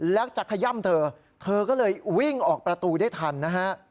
แล้วจะขย่ำเธอเธอก็เลยวิ่งออกประตูได้ทันนะฮะ